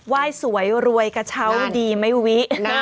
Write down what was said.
ยสวยรวยกระเช้าดีไม่วินะ